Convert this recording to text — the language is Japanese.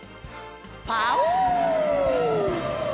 パオーン！